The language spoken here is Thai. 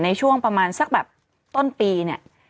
ในช่วงประมาณสักแบบต้นปีเนี่ย